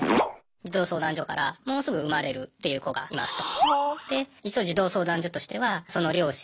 児童相談所からもうすぐ生まれるっていう子がいますと。